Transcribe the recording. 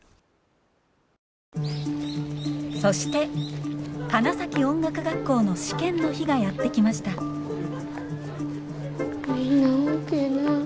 そして花咲音楽学校の試験の日がやって来ましたみんな大けぇな。